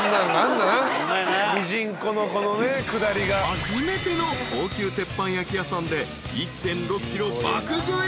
［初めての高級鉄板焼き屋さんで１．６ｋｇ爆食い］